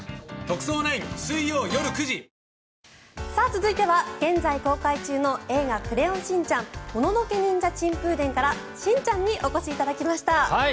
続いては現在、公開中の「映画クレヨンしんちゃんもののけニンジャ珍風伝」からしんちゃんにお越しいただきました。